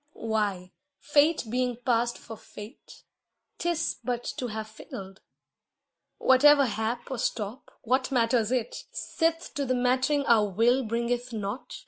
Why, fate being past for Fate, 'tis but to have failed. Whatever hap or stop, what matters it, Sith to the mattering our will bringeth nought?